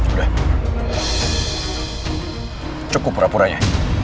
udah cukup pura puranya